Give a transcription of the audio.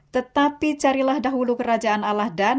tetapi carilah dahulu kerajaan allah dan